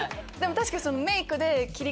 確かに。